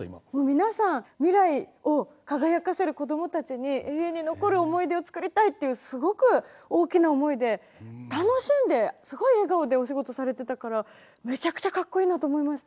皆さん未来を輝かせるこどもたちに永遠に残る思い出を作りたいっていうすごく大きな思いで楽しんですごい笑顔でお仕事されてたからめちゃくちゃかっこいいなと思いました。